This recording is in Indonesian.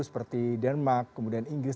seperti denmark kemudian inggris